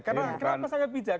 kenapa sangat bijak